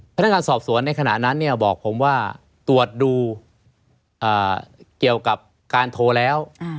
พนักงานสอบสวนในขณะนั้นเนี่ยบอกผมว่าตรวจดูเกี่ยวกับการโทรแล้ว